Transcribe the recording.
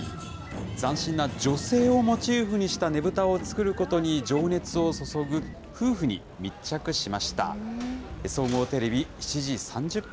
斬新な女性をモチーフにしたねぶたを作ることに情熱を注ぐ夫婦に密着しました。